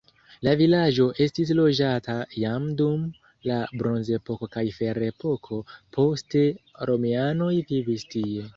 La vilaĝo estis loĝata jam dum la bronzepoko kaj ferepoko poste romianoj vivis tie.